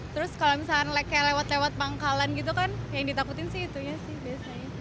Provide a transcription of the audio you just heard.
terus kalau misalnya lewat lewat pangkalan gitu kan yang ditakutin sih itunya sih biasanya